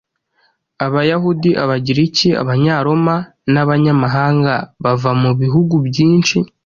Abayahudi, Abagiriki, Abanyaroma n’abanyamahanga bava mu bihugu byinshi